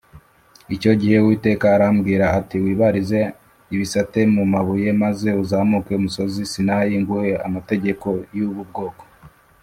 Icyo gihe Uwiteka arambwira ati Wibarize ibisate mu mabuye maze uzamuke umusozi sinayi nguhe amategeho y’ub’ubwoko.